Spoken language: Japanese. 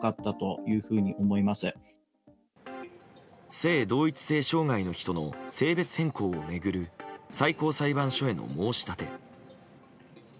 性同一性障害の人の性別変更を巡る最高裁判所への申し立て。